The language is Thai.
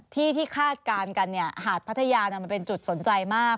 ที่ที่คาดการณ์กันหาดพัทยามันเป็นจุดสนใจมาก